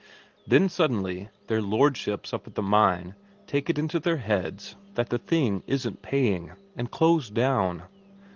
Then suddenly their lordships up at the mine take it into their heads that the thing isn't paying, and close down.